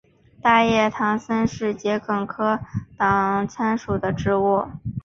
大叶党参是桔梗科党参属的植物。